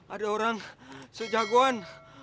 ada orang sejagoan